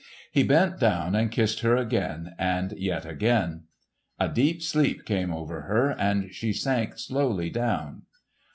He bent down and kissed her again, and yet again. A deep sleep came over her and she sank slowly down.